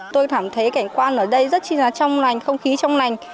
tôi cảm thấy cảnh quan ở đây rất là trong lành không khí trong lành